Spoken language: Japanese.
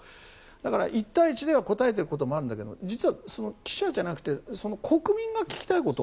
だから１対１では答えていることもあるんだけど実は記者じゃなくて国民が聞きたいこと。